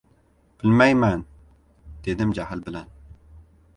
— Bilmayman!— dedim jahl bilan.